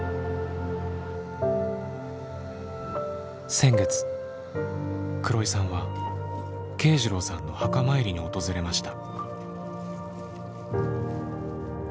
先月黒井さんは慶次郎さんの墓参りに訪れました。